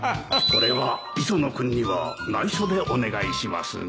これは磯野君には内緒でお願いしますね